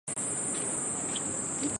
韦陟人。